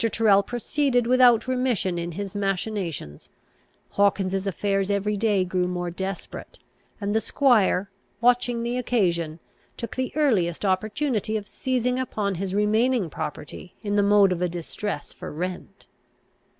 Tyrrel proceeded without remission in his machinations; Hawkins's affairs every day grew more desperate, and the squire, watching the occasion, took the earliest opportunity of seizing upon his remaining property in the mode of a distress for rent.